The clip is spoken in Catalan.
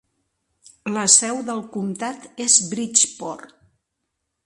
La seu del comtat és Bridgeport.